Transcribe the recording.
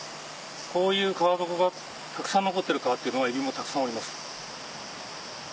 こういう川底がたくさん残ってる川っていうのはエビもたくさんおります。